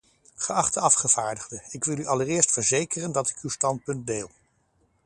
Geachte afgevaardigde, ik wil u allereerst verzekeren dat ik uw standpunt deel.